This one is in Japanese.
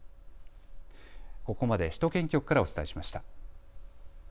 ここまで首都圏局からお伝えしました。